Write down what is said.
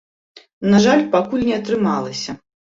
На жаль, пакуль не атрымалася.